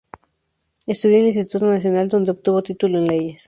Estudió en el Instituto Nacional, donde obtuvo título en Leyes.